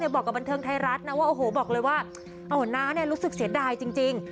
บอกกับบันเทิงไทยรัฐนะว่าโอ้โหบอกเลยว่าน้ารู้สึกเสียดายจริง